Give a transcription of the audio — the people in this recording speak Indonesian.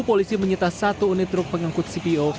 polisi menyita satu unit truk pengangkut cpo